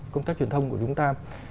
công tác truyền thông của chúng ta